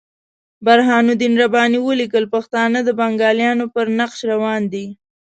برهان الدین رباني ولیکل پښتانه د بنګالیانو پر نقش روان دي.